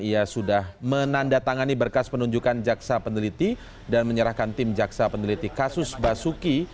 ia sudah menandatangani berkas penunjukan jaksa peneliti dan menyerahkan tim jaksa peneliti kasus basuki